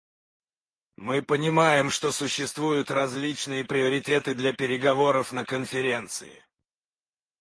Мы понимаем, что существуют различные приоритеты для переговоров на Конференции.